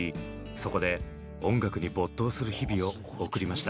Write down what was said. そこで音楽に没頭する日々を送りました。